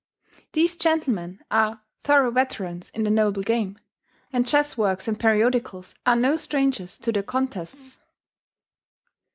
These gentlemen are thorough veterans in the noble game, and chess works and periodicals are no strangers to their contests.